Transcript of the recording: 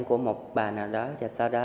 của một bà nào đó và sau đó